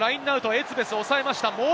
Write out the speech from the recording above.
エツベス抑えました。